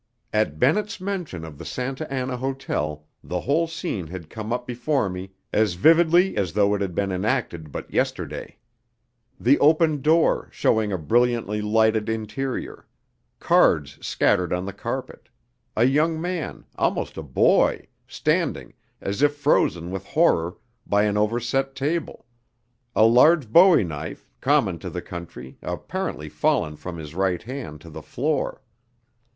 At Bennett's mention of the Santa Anna Hotel the whole scene had come up before me as vividly as though it had been enacted but yesterday. The open door, showing a brilliantly lighted interior; cards scattered on the carpet; a young man almost a boy standing, as if frozen with horror, by an overset table; a large bowie knife, common to the country, apparently fallen from his right hand to the floor.